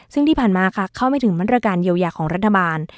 ซึ่งที่ผ่านมาค่ะเข้าไม่ถึงมาตรการเยียวยาของรัฐบาล